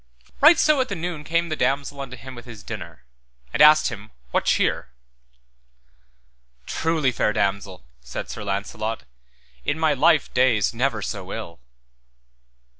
Right so at the noon came the damosel unto him with his dinner, and asked him what cheer. Truly, fair damosel, said Sir Launcelot, in my life days never so ill.